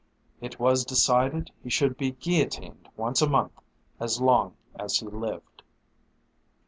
It was decided he should be guillotined once a month as long as he lived.